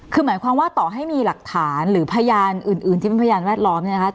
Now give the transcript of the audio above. คือหมายความว่าต่อให้มีหลักฐานหรือพยานอื่นที่เป็นพยานแวดล้อมเนี่ยนะคะ